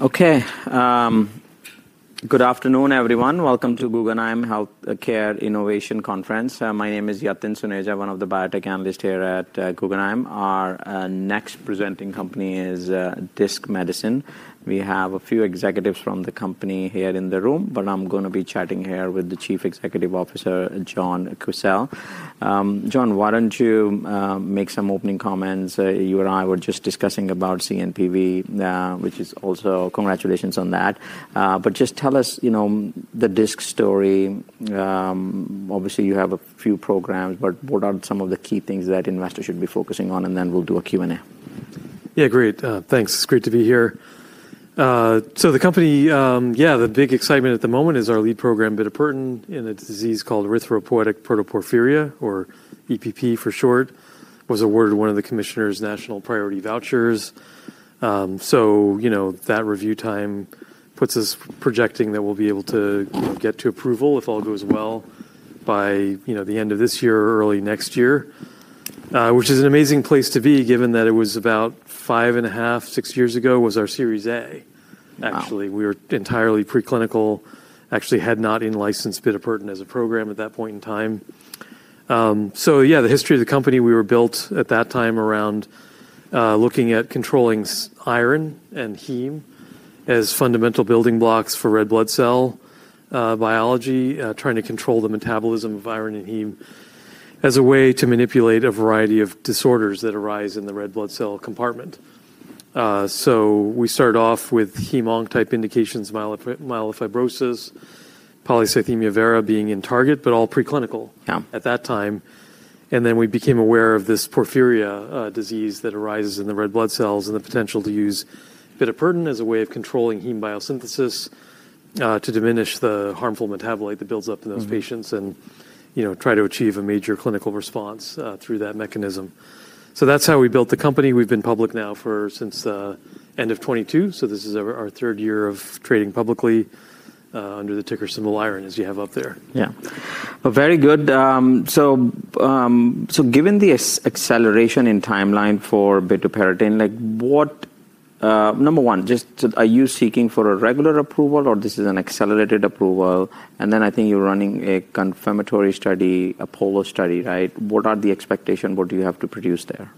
Okay. Good afternoon, everyone. Welcome to Guggenheim Healthcare Innovation Conference. My name is Yatin Suneja, one of the biotech analysts here at Guggenheim. Our next presenting company is Disc Medicine. We have a few executives from the company here in the room, but I'm going to be chatting here with the Chief Executive Officer, John Quisel. John, why don't you make some opening comments? You and I were just discussing about CNPV, which is also, congratulations on that. Just tell us the Disc story. Obviously, you have a few programs, but what are some of the key things that investors should be focusing on? Then we'll do a Q&A. Yeah, great. Thanks. It's great to be here. The company, yeah, the big excitement at the moment is our lead program, bitopertin, in a disease called erythropoietic protoporphyria, or EPP for short, was awarded one of the Commissioner's National Priority Vouchers. That review time puts us projecting that we'll be able to get to approval, if all goes well, by the end of this year, early next year, which is an amazing place to be, given that it was about five and a half, six years ago, was our Series A, actually. We were entirely preclinical, actually had not in-licensed bitopertin as a program at that point in time. Yeah, the history of the company, we were built at that time around looking at controlling iron and heme as fundamental building blocks for red blood cell biology, trying to control the metabolism of iron and heme as a way to manipulate a variety of disorders that arise in the red blood cell compartment. We started off with heme-on type indications, myelofibrosis, polycythemia vera being in target, but all preclinical at that time. Then we became aware of this porphyria disease that arises in the red blood cells and the potential to use bitopertin as a way of controlling heme biosynthesis to diminish the harmful metabolite that builds up in those patients and try to achieve a major clinical response through that mechanism. That is how we built the company. We have been public now since the end of 2022. This is our third year of trading publicly under the ticker symbol IRON, as you have up there. Yeah. Very good. Given the acceleration in timeline for bitopertin, number one, just are you seeking for a regular approval, or is this an accelerated approval? I think you're running a confirmatory study, Apollo study, right? What are the expectations? What do you have to produce there?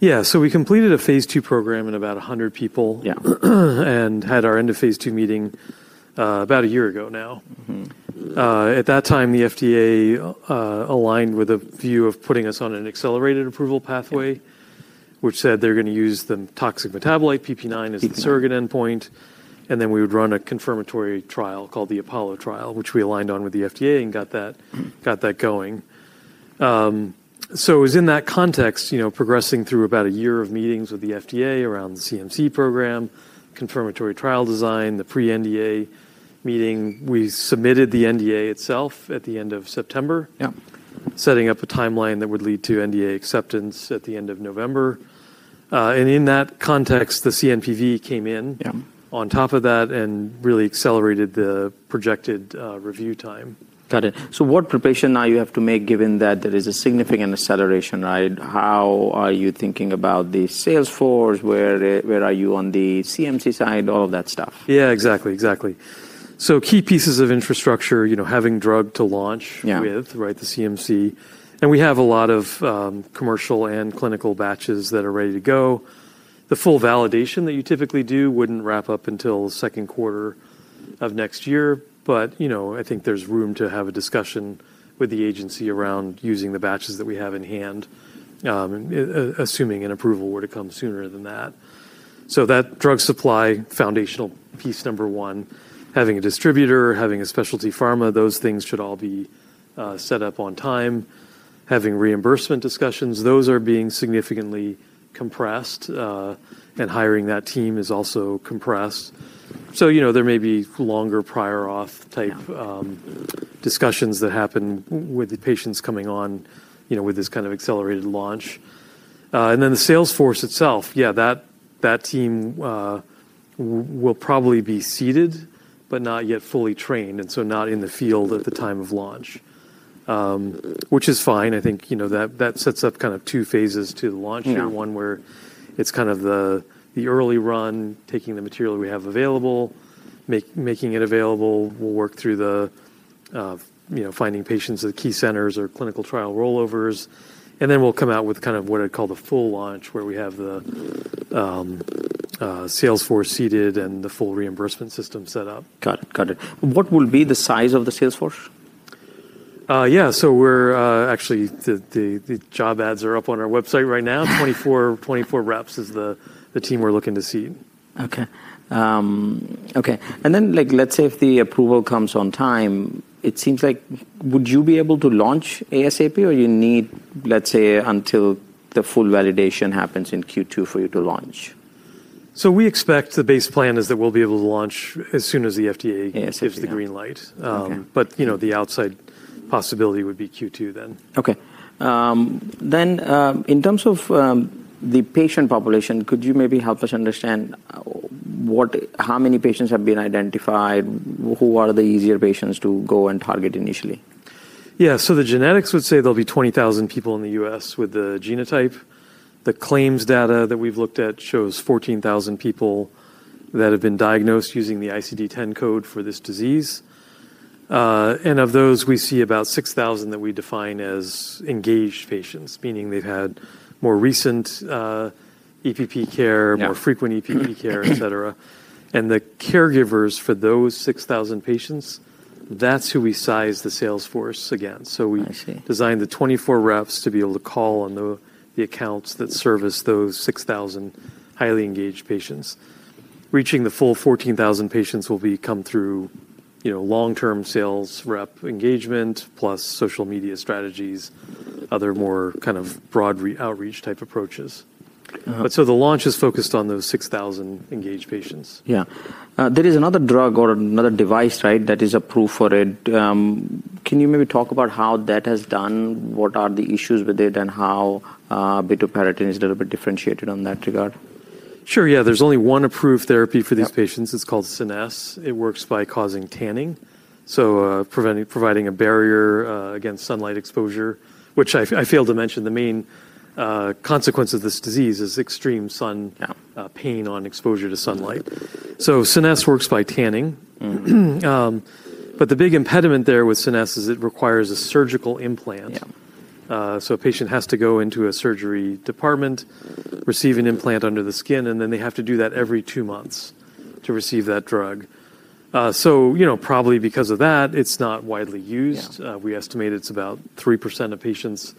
Yeah. We completed a phase two program in about 100 people and had our end of phase two meeting about a year ago now. At that time, the FDA aligned with a view of putting us on an accelerated approval pathway, which said they're going to use the toxic metabolite, PPIX, as the surrogate endpoint. We would run a confirmatory trial called the Apollo trial, which we aligned on with the FDA and got that going. It was in that context, progressing through about a year of meetings with the FDA around the CMC program, confirmatory trial design, the pre-NDA meeting. We submitted the NDA itself at the end of September, setting up a timeline that would lead to NDA acceptance at the end of November. In that context, the CNPV came in on top of that and really accelerated the projected review time. Got it. So what preparation now you have to make, given that there is a significant acceleration, right? How are you thinking about the sales force? Where are you on the CMC side, all of that stuff? Yeah, exactly. Exactly. Key pieces of infrastructure, having drug to launch with, right, the CMC. We have a lot of commercial and clinical batches that are ready to go. The full validation that you typically do would not wrap up until the second quarter of next year. I think there is room to have a discussion with the agency around using the batches that we have in hand, assuming an approval were to come sooner than that. That drug supply foundational piece, number one, having a distributor, having a specialty pharma, those things should all be set up on time. Having reimbursement discussions, those are being significantly compressed. Hiring that team is also compressed. There may be longer prior auth type discussions that happen with the patients coming on with this kind of accelerated launch. The sales force itself, yeah, that team will probably be seated, but not yet fully trained. Not in the field at the time of launch, which is fine. I think that sets up kind of two phases to the launch here, one where it's kind of the early run, taking the material we have available, making it available. We'll work through the finding patients at key centers or clinical trial rollovers. Then we'll come out with kind of what I'd call the full launch, where we have the sales force seated and the full reimbursement system set up. Got it. Got it. What will be the size of the sales force? Yeah. So actually, the job ads are up on our website right now. Twenty-four reps is the team we're looking to see. Okay. Okay. If the approval comes on time, it seems like would you be able to launch ASAP, or you need, let's say, until the full validation happens in Q2 for you to launch? We expect the base plan is that we'll be able to launch as soon as the FDA gives the green light. The outside possibility would be Q2 then. Okay. In terms of the patient population, could you maybe help us understand how many patients have been identified? Who are the easier patients to go and target initially? Yeah. So the genetics would say there'll be 20,000 people in the U.S. with the genotype. The claims data that we've looked at shows 14,000 people that have been diagnosed using the ICD-10 code for this disease. Of those, we see about 6,000 that we define as engaged patients, meaning they've had more recent EPP care, more frequent EPP care, et cetera. The caregivers for those 6,000 patients, that's who we size the sales force against. We designed the 24 reps to be able to call on the accounts that service those 6,000 highly engaged patients. Reaching the full 14,000 patients will come through long-term sales rep engagement, plus social media strategies, other more kind of broad outreach type approaches. The launch is focused on those 6,000 engaged patients. Yeah. There is another drug or another device, right, that is approved for it. Can you maybe talk about how that has done? What are the issues with it and how bitopertin is a little bit differentiated on that regard? Sure. Yeah. There's only one approved therapy for these patients. It's called Scenesse. It works by causing tanning, so providing a barrier against sunlight exposure, which I failed to mention. The main consequence of this disease is extreme sun pain on exposure to sunlight. Scenesse works by tanning. The big impediment there with Scenesse is it requires a surgical implant. A patient has to go into a surgery department, receive an implant under the skin, and then they have to do that every two months to receive that drug. Probably because of that, it's not widely used. We estimate it's about 3% of patients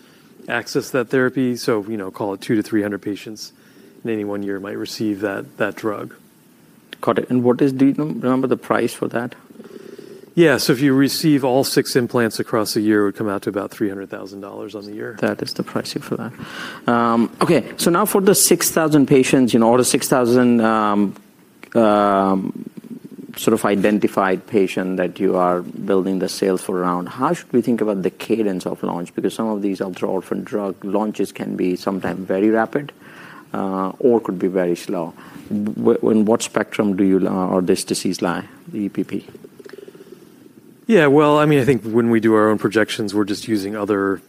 access that therapy. Call it 200-300 patients in any one year might receive that drug. Got it. What is the number, the price for that? Yeah. If you receive all six implants across a year, it would come out to about $300,000 on the year. That is the price for that. Okay. Now for the 6,000 patients, or the 6,000 sort of identified patients that you are building the sales for around, how should we think about the cadence of launch? Because some of these ultra-ultrasound drug launches can be sometimes very rapid or could be very slow. In what spectrum do you or this disease lie, the EPP? Yeah. I mean, I think when we do our own projections, we're just using other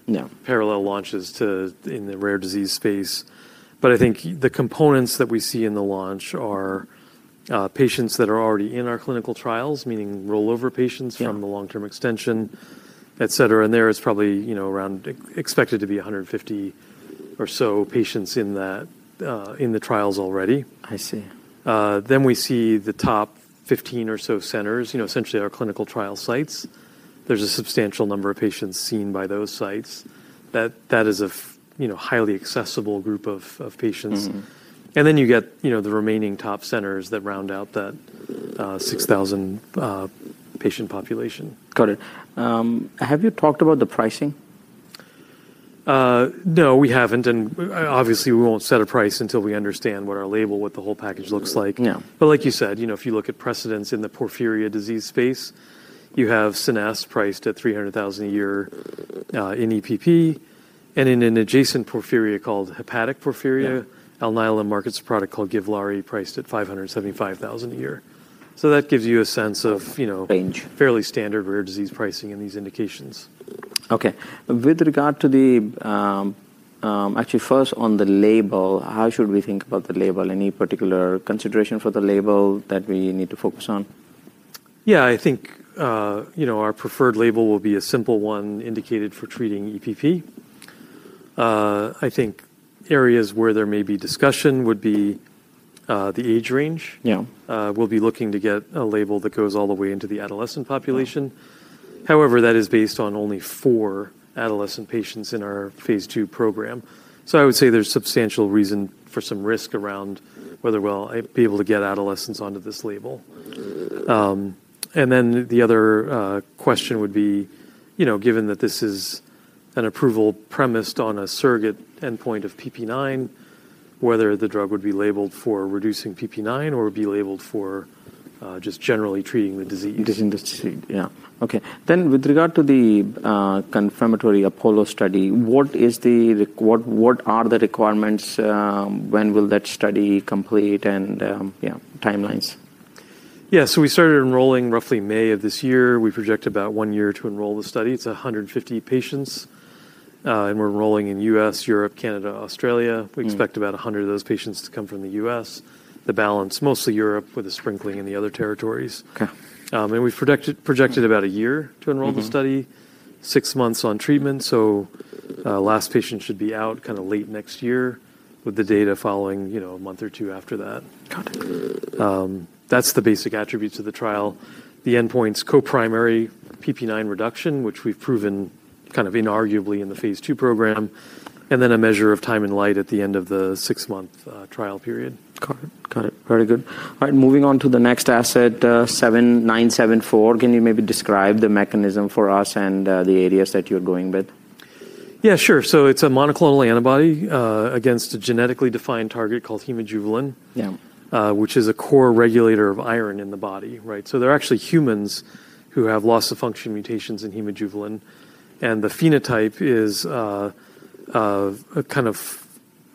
parallel launches in the rare disease space. I think the components that we see in the launch are patients that are already in our clinical trials, meaning rollover patients from the long-term extension, et cetera. There is probably around expected to be 150 or so patients in the trials already. I see. We see the top 15 or so centers, essentially our clinical trial sites. There is a substantial number of patients seen by those sites. That is a highly accessible group of patients. You get the remaining top centers that round out that 6,000 patient population. Got it. Have you talked about the pricing? No, we haven't. Obviously, we won't set a price until we understand what our label, what the whole package looks like. Like you said, if you look at precedents in the porphyria disease space, you have Scenesse priced at $300,000 a year in EPP. In an adjacent porphyria called hepatic porphyria, Alnylam markets a product called Givlaari priced at $575,000 a year. That gives you a sense of fairly standard rare disease pricing in these indications. Okay. With regard to the, actually, first on the label, how should we think about the label? Any particular consideration for the label that we need to focus on? Yeah. I think our preferred label will be a simple one indicated for treating EPP. I think areas where there may be discussion would be the age range. We'll be looking to get a label that goes all the way into the adolescent population. However, that is based on only four adolescent patients in our phase two program. I would say there's substantial reason for some risk around whether I'd be able to get adolescents onto this label. The other question would be, given that this is an approval premised on a surrogate endpoint of PPIX, whether the drug would be labeled for reducing PPIX or would be labeled for just generally treating the disease. Yeah. Okay. With regard to the confirmatory Apollo study, what are the requirements? When will that study complete and timelines? Yeah. We started enrolling roughly May of this year. We project about one year to enroll the study. It's 150 patients. We're enrolling in the U.S., Europe, Canada, Australia. We expect about 100 of those patients to come from the U.S., the balance, mostly Europe with a sprinkling in the other territories. We've projected about a year to enroll the study, six months on treatment. Last patient should be out kind of late next year with the data following a month or two after that. That's the basic attributes of the trial. The endpoints, coprimary PP9 reduction, which we've proven kind of inarguably in the phase two program, and then a measure of time and light at the end of the six-month trial period. Got it. Got it. Very good. All right. Moving on to the next asset, 0974. Can you maybe describe the mechanism for us and the areas that you're going with? Yeah, sure. So it's a monoclonal antibody against a genetically defined target called hemojuvelin, which is a core regulator of iron in the body, right? There are actually humans who have loss of function mutations in hemojuvelin. The phenotype is a kind of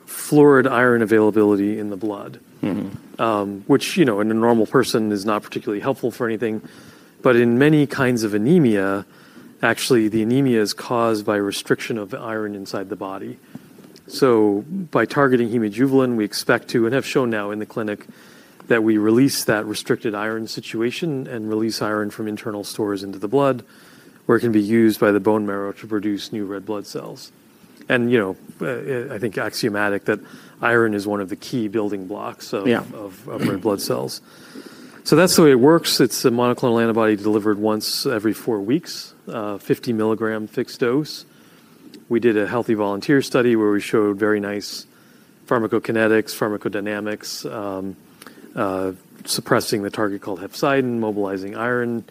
florid iron availability in the blood, which in a normal person is not particularly helpful for anything. In many kinds of anemia, actually, the anemia is caused by restriction of iron inside the body. By targeting hemojuvelin, we expect to, and have shown now in the clinic, that we release that restricted iron situation and release iron from internal stores into the blood, where it can be used by the bone marrow to produce new red blood cells. I think it's axiomatic that iron is one of the key building blocks of red blood cells. That's the way it works. It's a monoclonal antibody delivered once every four weeks, 50 mg fixed dose. We did a healthy volunteer study where we showed very nice pharmacokinetics, pharmacodynamics, suppressing the target called hepcidin, mobilizing iron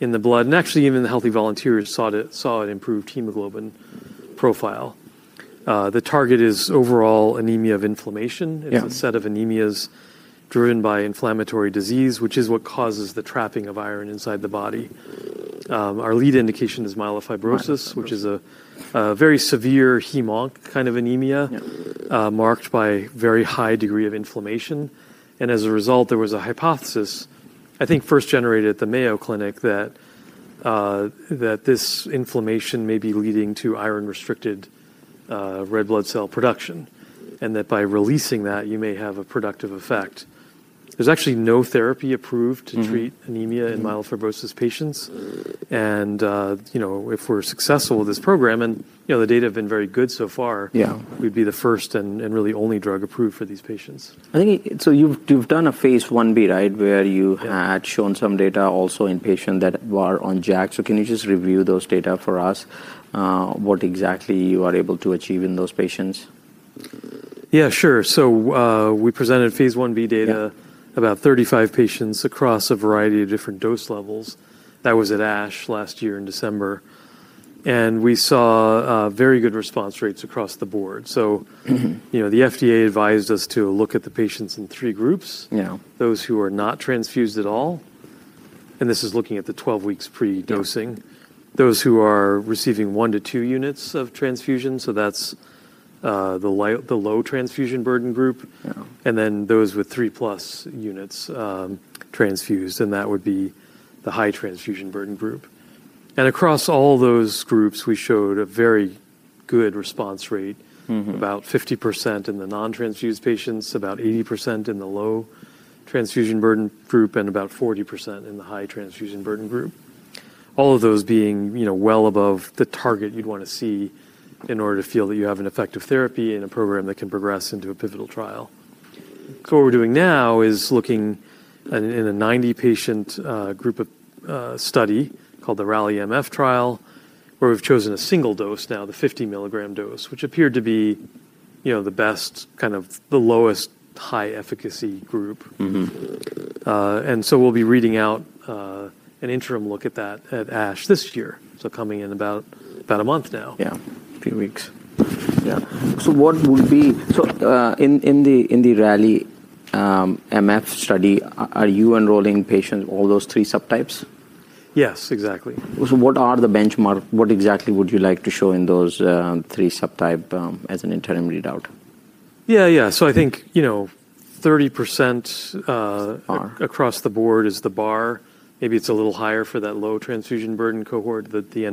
in the blood. And actually, even the healthy volunteers saw an improved hemoglobin profile. The target is overall anemia of inflammation. It's a set of anemias driven by inflammatory disease, which is what causes the trapping of iron inside the body. Our lead indication is myelofibrosis, which is a very severe hem-onc kind of anemia marked by a very high degree of inflammation. As a result, there was a hypothesis, I think first generated at the Mayo Clinic, that this inflammation may be leading to iron-restricted red blood cell production and that by releasing that, you may have a productive effect. There's actually no therapy approved to treat anemia in myelofibrosis patients. If we're successful with this program, and the data have been very good so far, we'd be the first and really only drug approved for these patients. You've done a phase Ib, right, where you had shown some data also in patients that were on JAK. Can you just review those data for us? What exactly are you able to achieve in those patients? Yeah, sure. We presented phase Ib data to about 35 patients across a variety of different dose levels. That was at ASH last year in December. We saw very good response rates across the board. The FDA advised us to look at the patients in three groups, those who are not transfused at all. This is looking at the 12-weeks predosing, those who are receiving one to two units of transfusion. That is the low transfusion burden group. Then those with three-plus units transfused. That would be the high transfusion burden group. Across all those groups, we showed a very good response rate, about 50% in the non-transfused patients, about 80% in the low transfusion burden group, and about 40% in the high transfusion burden group, all of those being well above the target you'd want to see in order to feel that you have an effective therapy in a program that can progress into a pivotal trial. What we're doing now is looking in a 90-patient group study called the RALI-MF trial, where we've chosen a single dose now, the 50 mg dose, which appeared to be the best, kind of the lowest high efficacy group. We'll be reading out an interim look at that at ASH this year, coming in about a month now. Yeah. A few weeks. Yeah. What would be, so in the RALI-MF study, are you enrolling patients in all those three subtypes? Yes, exactly. What are the benchmarks? What exactly would you like to show in those three subtypes as an interim readout? Yeah, yeah. I think 30% across the board is the bar. Maybe it's a little higher for that low transfusion burden cohort that the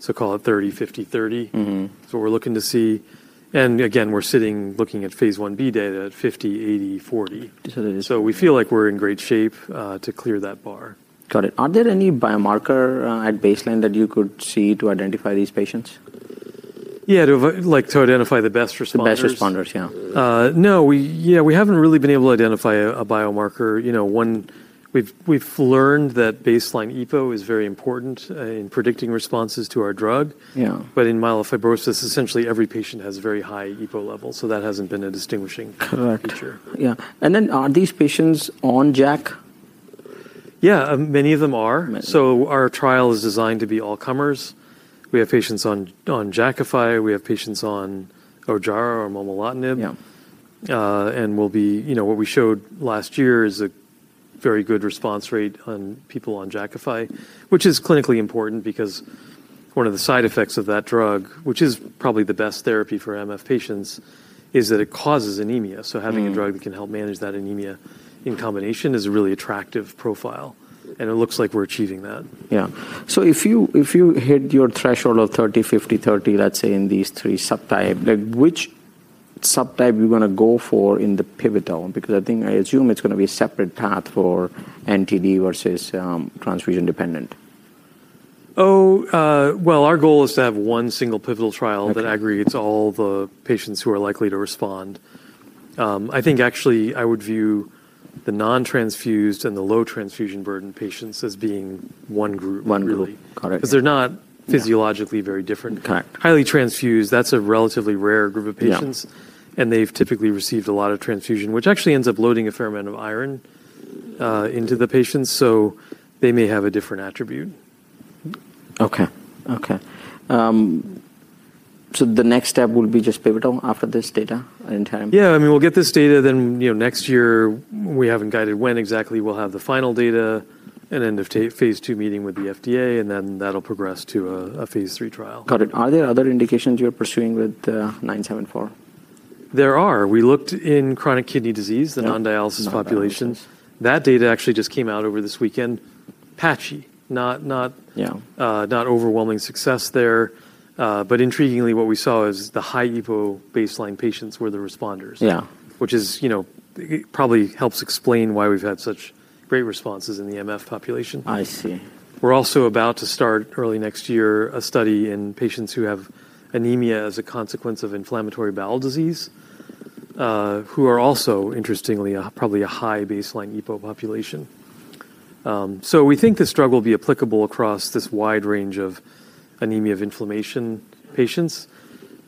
endpoint seems a bit less stringent. Call it 30, 50, 30. We're looking to see. Again, we're sitting looking at phase Ib data at 50, 80, 40. We feel like we're in great shape to clear that bar. Got it. Are there any biomarker at baseline that you could see to identify these patients? Yeah. To identify the best responders. The best responders, yeah. No. Yeah. We haven't really been able to identify a biomarker. We've learned that baseline EPO is very important in predicting responses to our drug. In myelofibrosis, essentially every patient has a very high EPO level. That hasn't been a distinguishing feature. Correct. Yeah. Are these patients on JAK? Yeah. Many of them are. Our trial is designed to be all-comers. We have patients on Jakafi. We have patients on Ojjaara or Momelotinib. What we showed last year is a very good response rate on people on Jakafi, which is clinically important because one of the side effects of that drug, which is probably the best therapy for MF patients, is that it causes anemia. Having a drug that can help manage that anemia in combination is a really attractive profile. It looks like we're achieving that. Yeah. If you hit your threshold of 30, 50, 30, let's say in these three subtypes, which subtype are you going to go for in the pivotal? I think I assume it's going to be a separate path for NTD versus transfusion dependent. Oh, our goal is to have one single pivotal trial that aggregates all the patients who are likely to respond. I think actually I would view the non-transfused and the low transfusion burden patients as being one group. One group. Correct. Because they're not physiologically very different. Highly transfused, that's a relatively rare group of patients. They've typically received a lot of transfusion, which actually ends up loading a fair amount of iron into the patients. They may have a different attribute. Okay. Okay. So the next step will be just pivotal after this data and interim? Yeah. I mean, we'll get this data then next year. We haven't guided when exactly we'll have the final data, an end of phase two meeting with the FDA, and then that'll progress to a phase three trial. Got it. Are there other indications you're pursuing with 974? There are. We looked in chronic kidney disease, the non-dialysis populations. That data actually just came out over this weekend, patchy, not overwhelming success there. Intriguingly, what we saw is the high EPO baseline patients were the responders, which probably helps explain why we've had such great responses in the MF population. I see. We're also about to start early next year a study in patients who have anemia as a consequence of inflammatory bowel disease, who are also interestingly probably a high baseline EPO population. We think the drug will be applicable across this wide range of anemia of inflammation patients.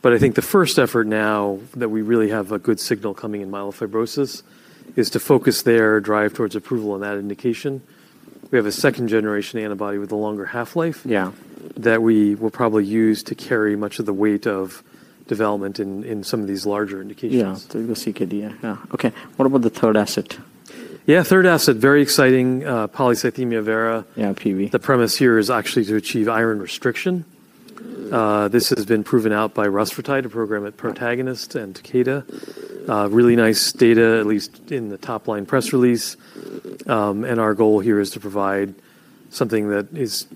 I think the first effort now that we really have a good signal coming in myelofibrosis is to focus there, drive towards approval on that indication. We have a second-generation antibody with a longer half-life that we will probably use to carry much of the weight of development in some of these larger indications. Yeah. So you'll see CKD, yeah. Okay. What about the third asset? Yeah. Third asset, very exciting, polycythemia vera. Yeah, PV. The premise here is actually to achieve iron restriction. This has been proven out by Rusfertide, a program at Protagonist and Takeda. Really nice data, at least in the top-line press release. Our goal here is to provide something that is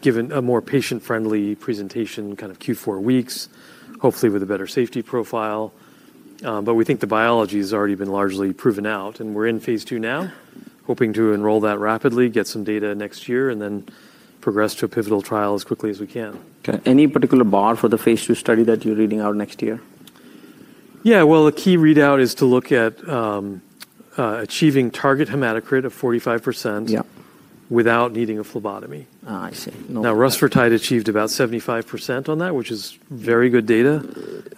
given a more patient-friendly presentation, kind of Q4 weeks, hopefully with a better safety profile. We think the biology has already been largely proven out. We are in phase two now, hoping to enroll that rapidly, get some data next year, and then progress to a pivotal trial as quickly as we can. Okay. Any particular bar for the phase two study that you're reading out next year? Yeah. A key readout is to look at achieving target hematocrit of 45% without needing a phlebotomy. I see. Now, Rusfertide achieved about 75% on that, which is very good data.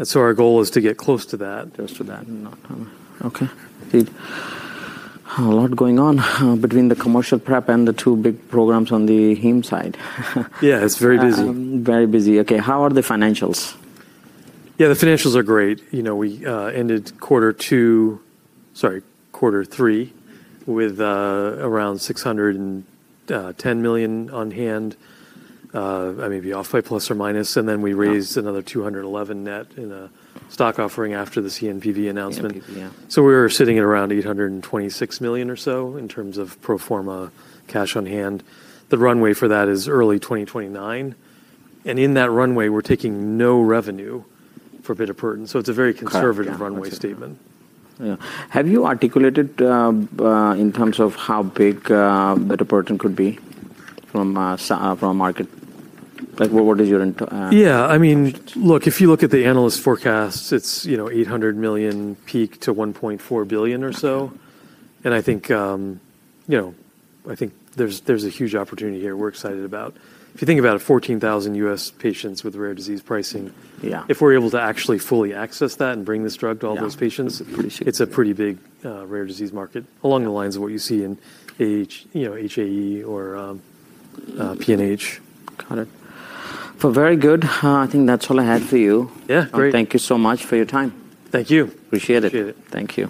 So our goal is to get close to that. Close to that. Okay. A lot going on between the commercial prep and the two big programs on the heme side. Yeah. It's very busy. Very busy. Okay. How are the financials? Yeah. The financials are great. We ended quarter two, sorry, quarter three, with around $610 million on hand, maybe off by plus or minus. And then we raised another $211 million net in a stock offering after the CNPV announcement. So we're sitting at around $826 million or so in terms of pro forma cash on hand. The runway for that is early 2029. And in that runway, we're taking no revenue for bitopertin. So it's a very conservative runway statement. Yeah. Have you articulated in terms of how big bitopertin could be from market? What is your? Yeah. I mean, look, if you look at the analyst forecasts, it's $800 million peak to $1.4 billion or so. I think there's a huge opportunity here. We're excited about it. If you think about it, 14,000 U.S. patients with rare disease pricing. If we're able to actually fully access that and bring this drug to all those patients, it's a pretty big rare disease market along the lines of what you see in HAE or PNH. Got it. Very good. I think that's all I had for you. Yeah. Great. Thank you so much for your time. Thank you. Appreciate it. Appreciate it. Thank you.